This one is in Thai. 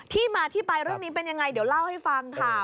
ที่มาที่ไปเรื่องนี้เป็นยังไงเดี๋ยวเล่าให้ฟังค่ะ